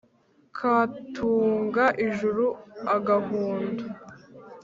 Katunga ijuru-Agahundo.